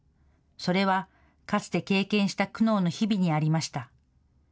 それは、かつて経験した苦悩の日々にありました。